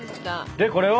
でこれを。